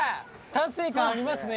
達成感ありますね